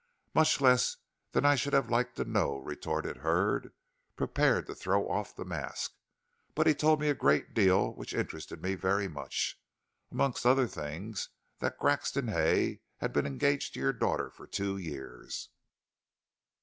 "Much less than I should have liked to know," retorted Hurd, prepared to throw off the mask; "but he told me a great deal which interested me very much. Amongst other things that Grexon Hay had been engaged to your daughter for two years."